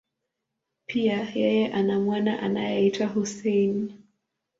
Pia, yeye ana mwana anayeitwa Hussein.